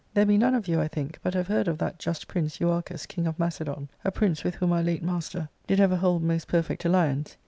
There be none of you, I think, but have heard of that just prince Euarchus, king of Macedon ; a prince with whom our late master did ever hold most perfect alliance.